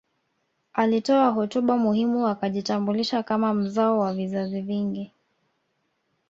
Alitoa hotuba muhimu akijitambulisha kama mzao wa vizazi vingi